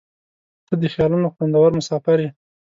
• ته د خیالونو خوندور مسافر یې.